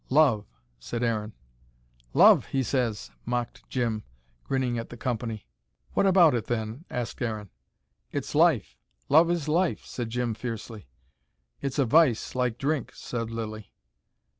"Love!" said Aaron. "LOVE! he says," mocked Jim, grinning at the company. "What about it, then?" asked Aaron. "It's life! Love is life," said Jim fiercely. "It's a vice, like drink," said Lilly.